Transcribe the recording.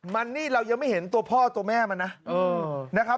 มันนี่เรายังไม่เห็นตัวพ่อตัวแม่มันนะนะครับ